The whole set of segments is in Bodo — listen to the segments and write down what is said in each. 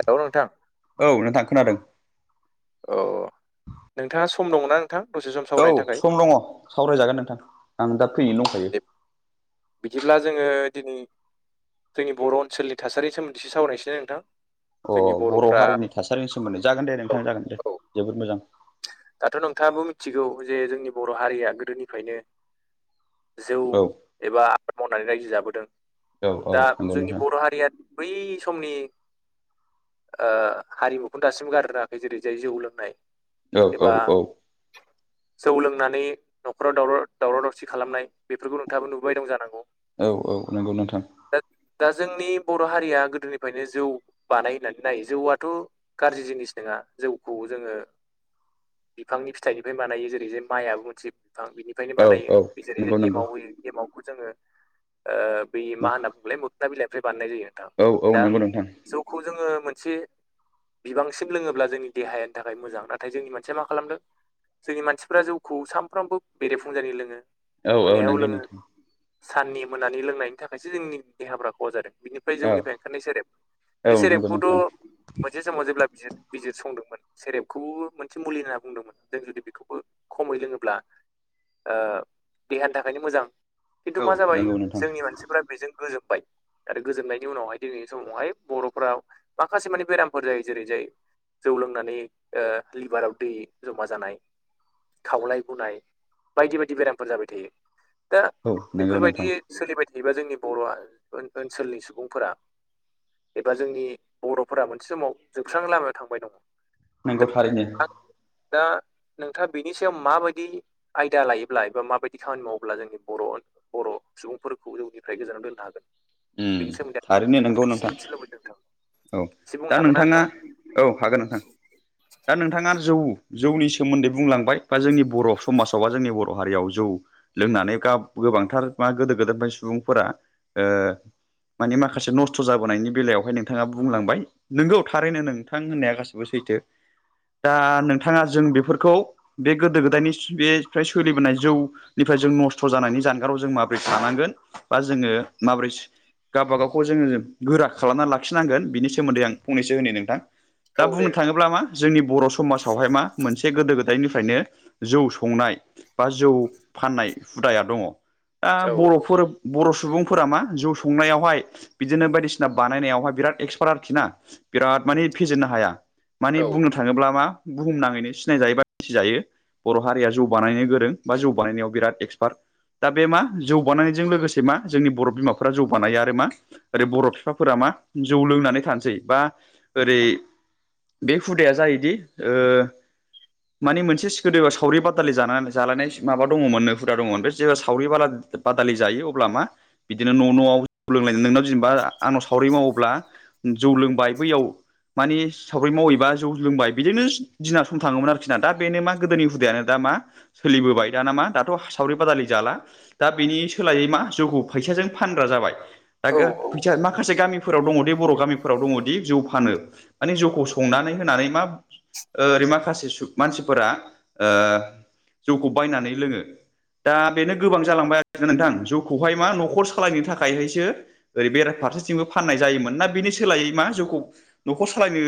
हेलौ नोंथां औ नोंथां खोनादों औ नोंथांङा सम दंङोना नोंथां दसे सम औ सावरायनो थाखाय सम दंङो सावरायजागोन नोंथां आं दा फ्रियैनो दंखायो दे बिदिब्ला जोंङो दिनै जोंनि बर' ओनसोलनि थासारि सोमोनदै सावरायनोसै नोंथां। अ जोंनि बर' बर'फ्रा हारिनि थासारिनि सोमोन्दै जागोन दे औ नोंथां जागोन दे औ जोबोद मोजां दाथ' नोंथांङाबो मिथिगौ जे जोंनि बर' हारिया गोदोनिफ्रायनो जौ औ एबा आबाद मावनानै रायजो जाबोदों औ औ दा नंगौ जोंनि नोंथां बर' हारिया बै समनि हारिमुखौनो दासिम गाररोंङाखै जेरै जाय जौ लोंनाय‌। औ औ एबा औ जौ लोंनानै न'खराव दावराव दावराव दावसि खालामनाय बेफोरखौ नोंथांङाबोथ नुबाय दं जानांगौ औ औ नंगौ नोंथां दा दा जोंनि बर' हारिया गोदोनिफ्रायनो जौ बानाय होननानै नायो जौआथ' गाज्रि जिनिस नंङा जौखौ जोंङो बिफांनि फिथाइनिफ्राय बानायो जेरै जाय माइआबो मोनसे बिफां बिनिफ्रायनो औ बानायो औ बे जेरै नंगौ जाय नंगौ एमाव होयो। एमावखौ जोंङो बे मा होनना बुंलाय मोखना बिलाइनिफ्राय बानायनाय जायो। नोंथां औ औ दा नंगौ नोंथां जौखौ जोंङो मोनसे बिबांसिम लोंङोब्ला जोंनि देहानि थाखाय मोजां न नाथाय जोंनि मानसिया मा खालामदों जोंनि मानसिफ्रा जौखौ सानफ्रामबो बेरे फुं जानाय लोंङो। औ औ मोनायाव नंगौ लोंङो नोंथां साननि मोनानि लोंनायनि थाखायसो जोंनि देहाफ्रा खहा जादों बिनिफ्राय औ जौनिफ्राय ओंखारनाय सेरेब बे औ नंगौ सेरेबखौथ' नोंथां मोनसे समाव जेब्ला बिसोर बिजिर संदोंमोन सेरेबखौबो मोनसे मुलि होनना बुंदोंमोन जों जुदि बेखौबो खमै लोंङोब्ला। देहानि थाखायनो मोजां खिन्थु औ मा जाबाय नंगौ नोंथां जोंनि मानसिफोरा बेजों गोजोनबाय आरो गोजोननायनि उनावहाय दिनैनि समावहाय बर'फोरााव माखासे माने बेरामफोर जायो जेरै जाय जौ लोंनानै लिभाराव दै जमा जानाय खावलाय बुनाय बायदि बायदि बेरामफोर जाबाय थायो दा औ नंगौ बेफोर नोंथां बायदि सोलिबाय थायोबा जोंनि बर' ओनसोलनि सुबुंफोरा एबा जोंनि बर'फोरा मोनसे समाव जोबस्रांनाय लामायाव थांबाय दङ दा नंगौ थारैनो आं दा नोंथाङा बिनि सायाव माबायदि आयदा लायोब्ला एबा माबायदि खामानि मावोब्ला जोंनि बर' बर' सुबुंफोरखौ जौनिफ्राय गोजानाव दोननो हागोन‌ थारैनो नंगौ नोंथां लुबैदों नोंथां औ एसे बुंनो दा हागोन ना नोंथाङा औ हागोन नोंथां दा नोंथाङा जौ जौनि सोमोन्दै बुंलांबाय बा जोंनि बर' समाजाव बा जोंनि बर' हारियाव जौ लोंनानै गाब गोबांथार मा गोदो गोदायनिफ्रायनो सुबुंफोरा माने माखासे नस्थ' जाबोनायनि बेलायावहाय नोंथाङा बुंलांबाय नोंगौ थारैनो नोंथां होननाया गासिबो सैथो दा नोंथाङा जों बेफोरखौ बे गोदो गोदायनि बे फ्राय सोलिबोनाय जौ निफ्राय जों नस्थ' जानायनि जानगाराव जों माबोरै थानांगोन बा जोङो माबोरै गावबागावखौ जोङो गोरा खालामना लाखिनांगोन बिनि सोमोन्दै आं फंनैसो होननि नोंथां दा औ बुंनो दे नोंथां थाङोब्ला मा जोंनि बर' समाजावहाय मा मोनसे गोदो गोदायनिफ्रायनो जौ संनाय बा जौ फाननाय हुदाया दङ दा औ बर'फोर बर' सुबुंफोरा मा जौ संनायावहाय बिदिनो बायदिसिना बानायनायावहाय बिराद एक्सपार्ट आरोखि ना बिराद मानि फेजेननो हाया मानि औ बुंनो थाङोब्ला मा बुहुमनाङैनो सिनायजायो बा मिथिजायो बर' हारिया जौ बानायनो गोरों बा जौ बानायनायाव बिराद एक्सपार्ट दा बे मा जौ बानायनायजों लोगोसे मा जोंनि बर' बिमा फोरा जौ बानायो आरो मा ओरै बर' बिफाफोरा मा जौ लोंनानै थानोसै बा ओरै बे हुदाया जायोदि मानि मोनसे गोदो बा सावरि बादालि जानानै जालायनाय माबा दङमोन नो हुदा दङमोन बे जे सावरि बादा बादालि जायो अब्ला मा बिदिनो न' न'आव जौ लोंलायनाय नोंनाव जेनेबा आंनाव सावरि मावोब्ला जौ लोंबाय बैयाव मानि सावरि मावहैबा जौ लोंबाय बिदिनो दिना सम थाङोमोन आरोखि ना दा बेनो मा गोदोनि हुदायानो दा मा सोलिबोबाय दाना मा दाथ' सावरि बादालि जाला दा बेनि सोलायै मा जौखौ फायसाजों फानग्रा जाबाय दा फैसा माखासे गामिफोराव दङदि बर' गामिफोराव दङदि जौ फानो माने जौखौ संनानै होनानै मा ओरै माखासे मानसिफोरा जौखौ बायनानै लोङो दा बेनो गोबां जालांबाय आरो ना नोंथां जौखौहाय मा न'खर सालायनो थाखायहायसो ओरै बेरफारसेथिंबो फाननाय जायोमोन ना बेनि सोलायै मा जौखौ न'खर सालायनो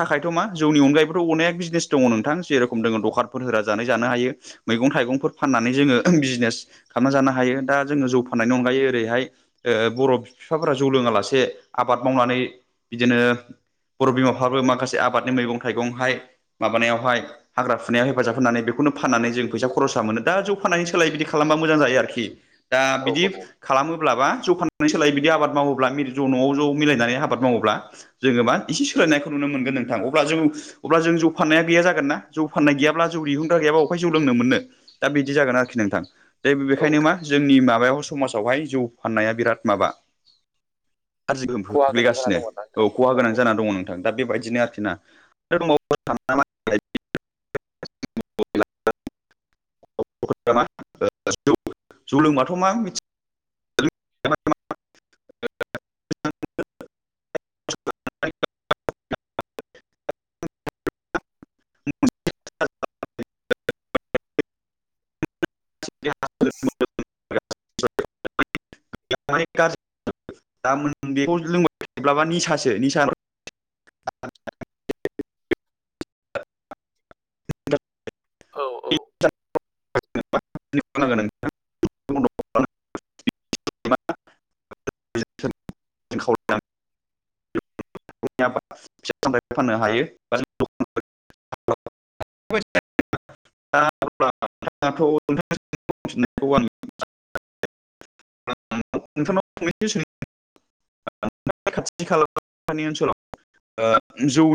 थाखायथ' मा जौनि अनगायैबोथ' अनेक बिजनेस दङ नोंथां जेरेखम दङ दखानफोर होना जानाय जानो हायो मैगं थाइगंफोर फाननानै जोङो बिजनेस खालामना जानो हायो दा जोङो जौ फान्नायनि अनगायै जेरैहाय बर' बिफाफोरा जौ लोङा लासे आबाद मावनानै बिदिनो बर' बिमाफ्राबो माखासे आबादनि मैगं थाइगंहाय माबानायावहाय हाग्रा फुनायाव हेफाजाब होनानै बेखौनो फाननानै जों फैसा खरसा मोनो दा ज' फाननानै सोलाय बिदि खालामबा मोजां जायो आरोखि दा औ बिदि खालामोब्ला बा जौ फाननायनि सोलायै बिदि आबाद मावोब्ला [unintelligible] न'आव ज' मिलायनानै आबाद मावोब्ला जोङो मा एसे सोलायनायखौ नुनो मोनगोन नोंथां अब्ला जौ अब्ला जों जौ फाननाया गैया जागोन ना जौ फाननाय गैयाब्ला जौ दिहुनग्रा गैयाबा अबेहाय जौ लोंनो मोननो दा बिदि जागोन आरोखि नोंथां दा औ बेखायनो मा दे जोंनि माबायाव समाजावहाय जौ फाननाया बिराद माबा गाज्रि गोहोम खहा गोनां जाना खोख्लैगासिनो दङ ना नोंथां औ खहा गोनां जाना औ दं नों दा बेबायदिनो आरोखि ना [unintelligible] [unintelligible] जौ लोंबाथ' मा मिथि [unintelligible] ्् [inaudible] [unintelligible] [unintelligible] औ औ [unintelligible] नों [unintelligible] [unintelligible] फाननो हायो बा [unintelligible] [unintelligible] [unintelligible]